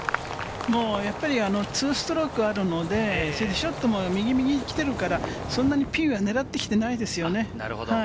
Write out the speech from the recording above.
やっぱり２ストロークあるので、それでショットも右に来ているから、そんなにピンは狙ってきてないですよね。